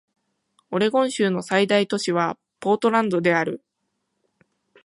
オレゴン州の最大都市はポートランドである